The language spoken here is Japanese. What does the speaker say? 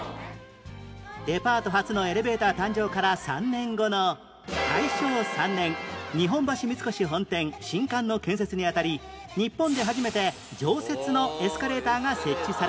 デパート初のエレベーター誕生から３年後の大正３年日本橋三越本店新館の建設にあたり日本で初めて常設のエスカレーターが設置されました